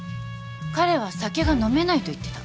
彼は酒が飲めないと言ってた。